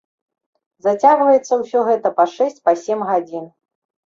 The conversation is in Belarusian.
Зацягваецца ўсё гэта па шэсць, па сем гадзін.